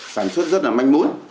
sản xuất rất là manh mũi